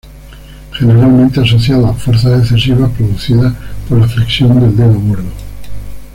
Generalmente asociado a fuerzas excesivas producidas por la flexión del dedo gordo.